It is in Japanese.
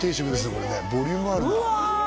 これねボリュームあるなうわ！